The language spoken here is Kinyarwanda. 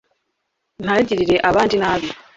ntagirire abandi nabi